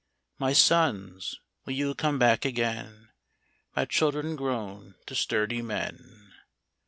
My sons, will you come back again, My children grown to sturdy men